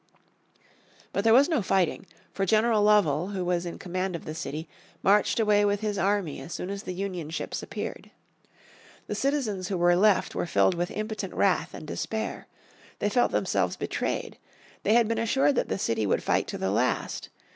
But there was no fighting, for General Lovell who was in command of the city marched away with his army as soon as the Union ships appeared. The citizens who were left were filled with impotent wrath and despair. They felt themselves betrayed. They had been assured that the city would fight to the last.